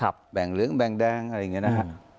แบ่งเหลืองแบ่งแดงอะไรอย่างนี้นะครับ